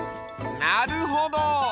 なるほど！